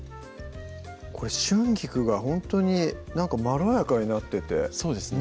これ春菊がほんとになんかまろやかになっててそうですね